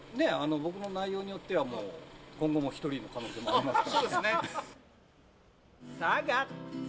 僕も内容によっては今後も１人の可能性もありますから。